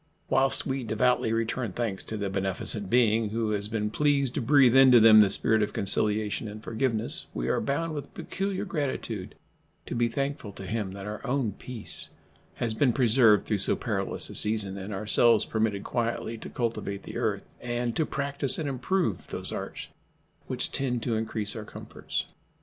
Whilst we devoutly return thanks to the beneficent Being who has been pleased to breathe into them the spirit of conciliation and forgiveness, we are bound with peculiar gratitude to be thankful to Him that our own peace has been preserved through so perilous a season, and ourselves permitted quietly to cultivate the earth and to practice and improve those arts which tend to increase our comforts.